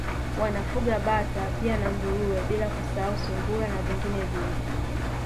Wanafuga Bata pia na Nguruwe bila kusahau Sungura na vingine vingi